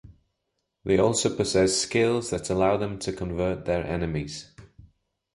They also possess skills that allow them to convert their enemies.